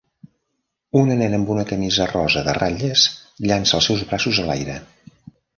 Una nena amb una camisa rosa de ratlles llança els seus braços a l'aire